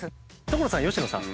所さん佳乃さん。